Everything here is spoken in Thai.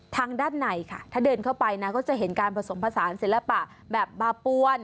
ทางด้านในค่ะถ้าเดินเข้าไปนะก็จะเห็นการผสมผสานศิลปะแบบบาปวน